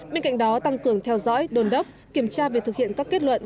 bên cạnh đó tăng cường theo dõi đồn đốc kiểm tra việc thực hiện các kết luận